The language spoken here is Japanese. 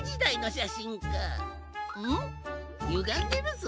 ゆがんでるぞ。